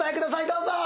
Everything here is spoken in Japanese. どうぞ！